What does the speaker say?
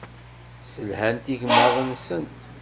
Sselhant igmaḍ-nsent.